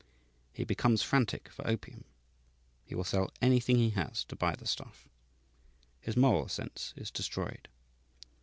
He becomes frantic for opium. He will sell anything he has to buy the stuff. His moral sense is destroyed.